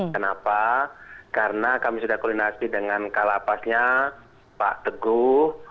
kenapa karena kami sudah koordinasi dengan kalapasnya pak teguh